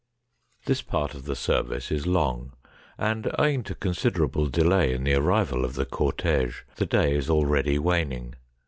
This part of the service is long, and, owing to considerable delay in the arrival of the cortege, the day is already waning.